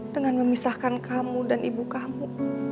dengan memisahkan kamu dan ibu kamu